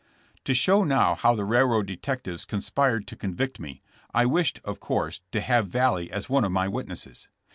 To show now how the railroad detectives con spired to convict me I wished, of course, to have VaLlee as one of my witnesses.